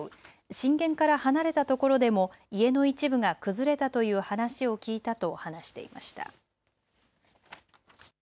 震源から離れたところでも家の一部が崩れたという話を聞いたと話していました。